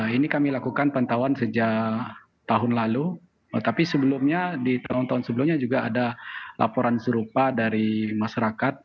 ini kami lakukan pantauan sejak tahun lalu tapi sebelumnya di tahun tahun sebelumnya juga ada laporan serupa dari masyarakat